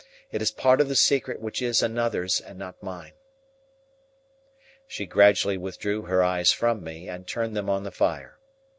It is a part of the secret which is another person's and not mine." She gradually withdrew her eyes from me, and turned them on the fire.